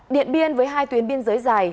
điện biên với hai tuyến biên giới dài